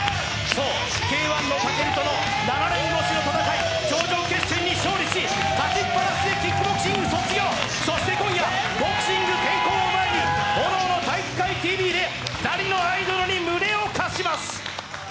そう、Ｋ−１の武尊との７年越しの戦い、頂上決戦に勝利し、そして今夜、ボクシング転向を前に「炎の体育会ＴＶ」で２人のアイドルに胸を貸します。